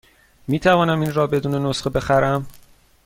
می توانم این را بدون نسخه بخرم؟